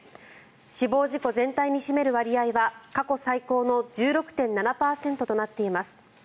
死亡事故全体に占める割合は過去最高の１６．７％となっています。